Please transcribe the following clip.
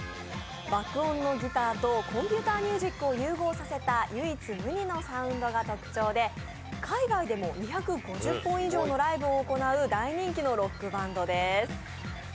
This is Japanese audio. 爆音のギターとコンピューターミュージックを融合させた唯一無二のサウンドが特徴で海外でも２５０本以上のライブを行う大人気のロックバンドです。